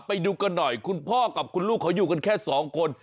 ไปดูกันหน่อยคุณพ่อกับคุณลูกเขาอยู่กันแค่สองคน